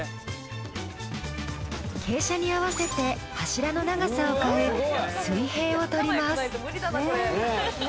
傾斜に合わせて柱の長さを変え水平を取ります。